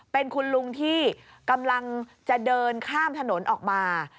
เป็นคุณลุงที่กำลังจะเดินข้ามถนนออกมา